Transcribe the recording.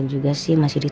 tante was lei mabuk jadi